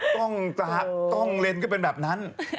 ต้องเลนก็เป็นแบบนั้น